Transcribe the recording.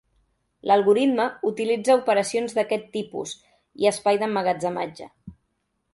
L'algoritme utilitza operacions d'aquests tipus, i espai d'emmagatzematge.